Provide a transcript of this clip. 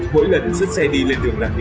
mỗi lần xuất xe đi lên đường làm nhiệm vụ